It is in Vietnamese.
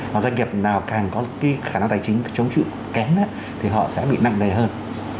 và doanh nghiệp nào càng có cái khả năng tài chính chống chịu kém thì họ sẽ bị nặng đầy hơn